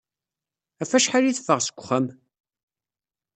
Ɣef wacḥal i teffeɣ seg wexxam?